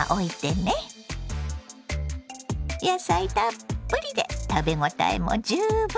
野菜たっぷりで食べ応えも十分。